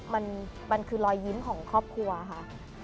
มันคือรอยยิ้มของครอบครัวค่ะ